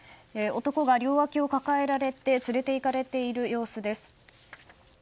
男が両わきを抱えられて連れていかれている様子です。